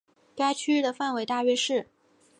该区域的范围大约是。